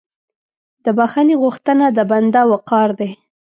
د بخښنې غوښتنه د بنده وقار دی.